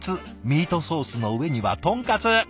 ミートソースの上には豚カツ。